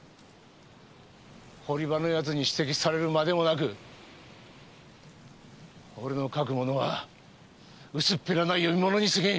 堀場の奴に指摘されるまでもなく俺の書くものは薄っぺらな読み物に過ぎん。